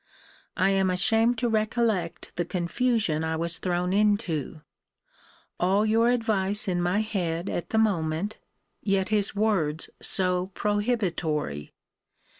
I am ashamed to recollect the confusion I was thrown into; all your advice in my head at the moment: yet his words so prohibitory.